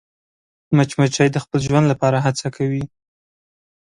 مچمچۍ د خپل ژوند لپاره هڅه کوي